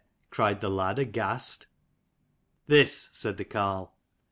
cried the lad, aghast. "This," said the carle.